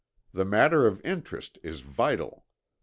The matter of interest is vital.